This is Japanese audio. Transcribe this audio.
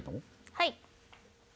はい。